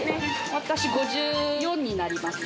私、５４になります。